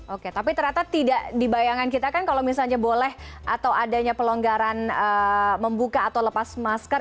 oke tapi ternyata tidak dibayangkan kita kan kalau misalnya boleh atau adanya pelonggaran membuka atau lepas masker